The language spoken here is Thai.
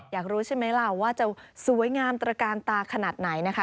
อยากรู้ใช่ไหมล่ะว่าจะสวยงามตระกาลตาขนาดไหนนะคะ